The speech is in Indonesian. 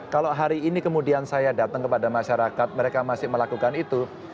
kalau hari ini kemudian saya datang kepada masyarakat mereka masih melakukan itu